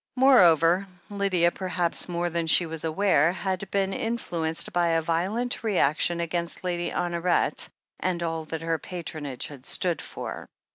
Moreover, Lydia, perhaps more than she was aware, had been in fluenced by a violent reaction against Lady Honoret and all that her patronage had stood for.